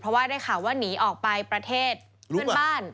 เพราะว่าได้ข่าวว่าหนีออกไปประเทศเพื่อนบ้าน